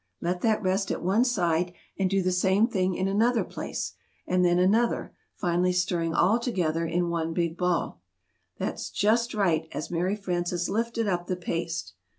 Let that rest at one side and do the same thing in another place, and then another, finally stirring all together into one big ball. "That's just right!" as Mary Frances lifted up the paste.